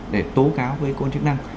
để tố cáo với côn trực năng